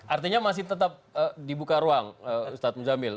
artinya masih tetap dibuka ruang ustadz muzamil